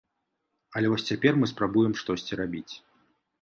Але вось цяпер мы спрабуем штосьці рабіць.